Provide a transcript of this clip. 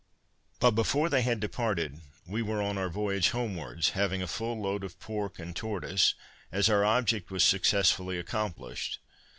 But before they had departed, we were on our voyage homewards, having a full load of pork and tortoise, as our object was successfully accomplished.